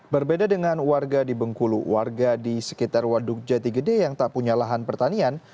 berbeda dengan warga di bengkulu warga di sekitar waduk jati gede yang tak punya lahan pertanian